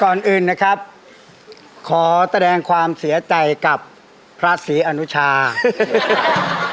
ก่อนอื่นนะครับขอแสดงความเสียใจกับพระศรีอนุชา